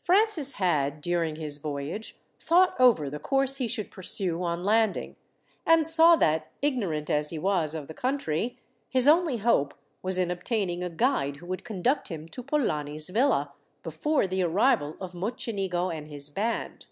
Francis had, during his voyage, thought over the course he should pursue on landing; and saw that, ignorant as he was of the country, his only hope was in obtaining a guide who would conduct him to Polani's villa before the arrival of Mocenigo and his band.